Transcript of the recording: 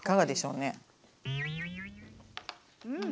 うん。